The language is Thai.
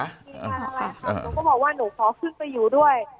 ใช่ค่ะหนูก็บอกว่าหนูขอขึ้นไปอยู่ด้วย